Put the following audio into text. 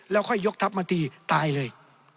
แล้วค่อยยกทัพมาตีตายเลย